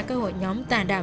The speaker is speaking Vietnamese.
các hội nhóm tàn đạo